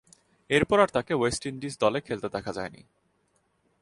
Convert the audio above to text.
এরপর আর তাকে ওয়েস্ট ইন্ডিজ দলে খেলতে দেখা যায়নি।